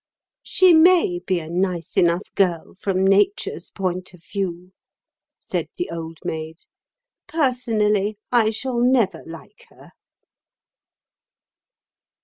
"She may be a nice enough girl from Nature's point of view," said the Old Maid; "personally, I shall never like her."